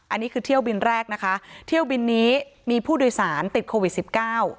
อันนี้คือเที่ยวบินแรกนะคะเที่ยวบินนี้มีผู้โดยสารติดโควิดสิบเก้า